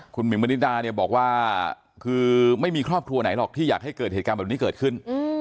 คุณหิมมณิดาเนี่ยบอกว่าคือไม่มีครอบครัวไหนหรอกที่อยากให้เกิดเหตุการณ์แบบนี้เกิดขึ้น